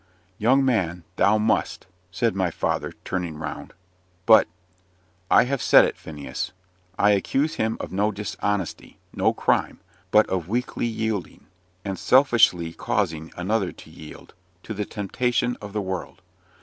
"Young man, thou must," said my father, turning round. "But " "I have said it, Phineas. I accuse him of no dishonesty, no crime, but of weakly yielding, and selfishly causing another to yield, to the temptation of the world.